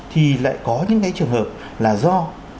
thì lại có những cái trường hợp là do